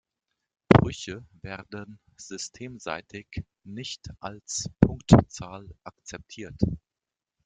Brüche werden systemseitig nicht als Punktzahl akzeptiert.